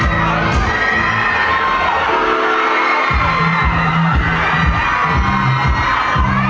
ไม่ต้องถามไม่ต้องถาม